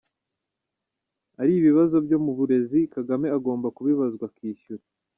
-Ari ibibazo byo mu burezi, Kagame agomba kubibazwa akishyura.